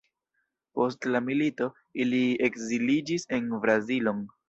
Post la milito, ili ekziliĝis en Brazilon.